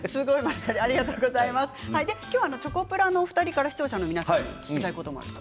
今日はチョコプラのお二人から視聴者の皆さんに聞きたいことも。